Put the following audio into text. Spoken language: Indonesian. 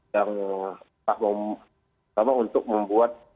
yang sama untuk membuat